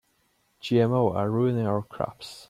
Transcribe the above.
GMO are ruining our crops.